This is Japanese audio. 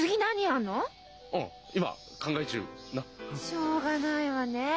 しょうがないわねえ。